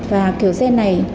và kiểu gen này